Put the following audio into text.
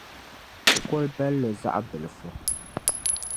kukol’ balli zaɣ’ bilifu.